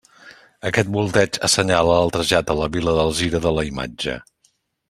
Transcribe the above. Aquest volteig assenyala el trasllat a la vila d'Alzira de la imatge.